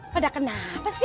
pada kenapa sih